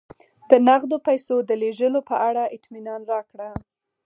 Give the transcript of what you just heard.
د نغدو پیسو د لېږلو په اړه اطمینان راکړه